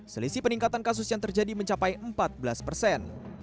selisih peningkatan kasus yang terjadi mencapai empat belas persen